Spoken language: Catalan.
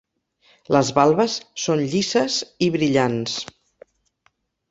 Les valves són llisses i brillants.